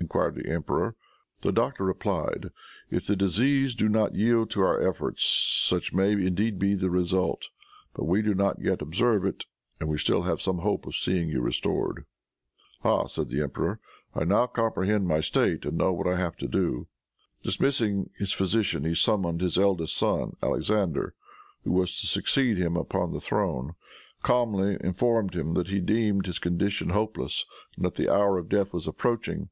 enquired the emperor. The doctor replied, "If the disease do not yield to our efforts, such may indeed be the result; but we do not yet observe it, and we still have some hope of seeing you restored." "Ah," said the emperor, "I now comprehend my state and know what I have to do." Dismissing his physician he summoned his eldest son, Alexander, who was to succeed him upon the throne; calmly informed him that he deemed his condition hopeless and that the hour of death was approaching.